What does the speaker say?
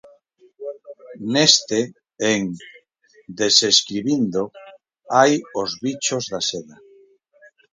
Neste, en 'Desescribindo', hai os bichos da seda.